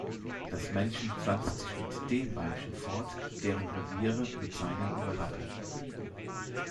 Das Männchen pflanzt sich mit den Weibchen fort, deren Reviere mit seinem überlappen.